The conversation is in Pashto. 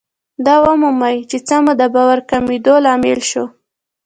دا ومومئ چې څه مو د باور کمېدو لامل شو.